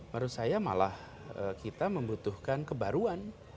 menurut saya malah kita membutuhkan kebaruan